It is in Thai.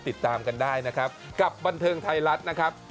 ติดตามกันได้นะครับกับบันเทิงไทยรัฐนะครับ